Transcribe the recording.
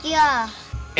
komen cuy takut ya